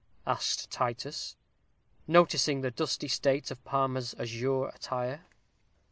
asked Titus, noticing the dusty state of Palmer's azure attire.